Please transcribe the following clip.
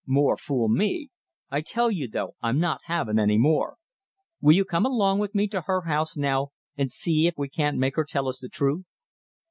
More fool me! I tell you, though, I'm not having any more. Will you come along with me to her house now, and see if we can't make her tell us the truth?"